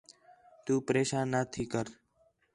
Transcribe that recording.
تُو پریشان نہ تھی کر